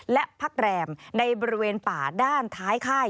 และพักแรมในบริเวณป่าด้านท้ายค่าย